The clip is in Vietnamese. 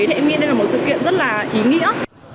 thì em nghĩ đây là một sự kiện rất là ý nghĩa